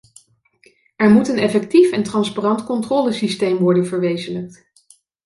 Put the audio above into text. Er moet een effectief en transparant controlesysteem worden verwezenlijkt.